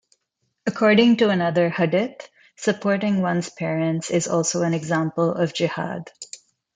According to another hadith, supporting one's parents is also an example of jihad.